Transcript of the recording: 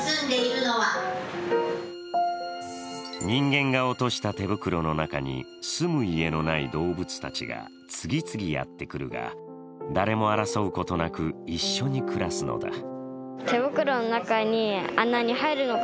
人間が落とした手袋の中に住む家のない動物たちが次々やってくるが誰も争うことなく、一緒に暮らすのだ。